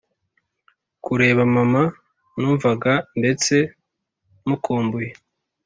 kureba mama numvaga ndetse mukumbuye